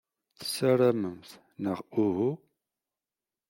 Tessaramemt, neɣ uhu?